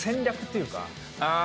ああ。